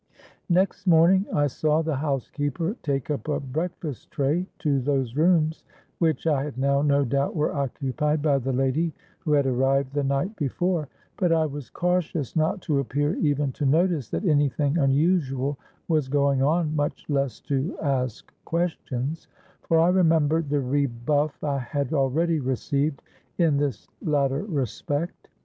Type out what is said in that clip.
"Next morning I saw the housekeeper take up a breakfast tray to those rooms which I had now no doubt were occupied by the lady who had arrived the night before; but I was cautious not to appear even to notice that any thing unusual was going on, much less to ask questions,—for I remembered the rebuff I had already received in this latter respect.